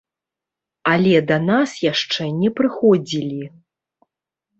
Але да нас яшчэ не прыходзілі.